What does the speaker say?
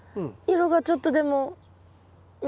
色がちょっとでも緑。